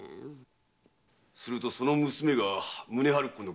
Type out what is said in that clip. するとその娘が宗春公のご落胤？